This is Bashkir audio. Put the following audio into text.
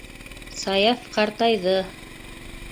Саяф ҡартайҙы.